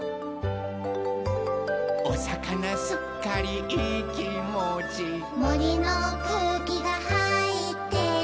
「おさかなすっかりいいきもち」「もりのくうきがはいってる」